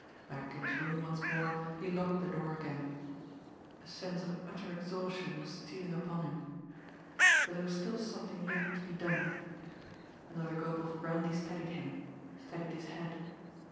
Back in his room once more, he locked the door again. A sense of utter exhaustion was stealing upon him but there was still something yet to be done. Another gulp of brandy steadied him, steadied his head.